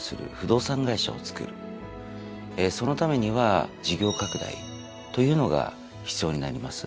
そのためには事業拡大というのが必要になります。